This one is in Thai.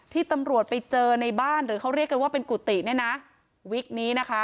ที่ตำรวจไปเจอในบ้านหรือเขาเรียกกันว่าเป็นกุฏิเนี่ยนะวิกนี้นะคะ